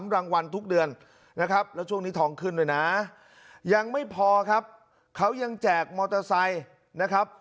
แล้วช่วงนี้ทองขึ้นด้วยนะยังไม่พอครับเขายังแจกมอเตอร์ไซค์นะครับ